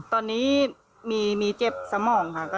ตอนนี้มีเจ็บสมองค่ะ